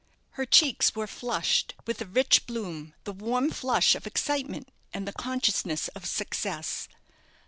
Her cheeks were flushed with a rich bloom the warm flush of excitement and the consciousness of success.